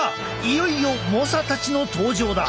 いよいよ猛者たちの登場だ！